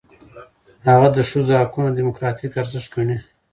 هغه د ښځو حقونه دموکراتیک ارزښت ګڼي.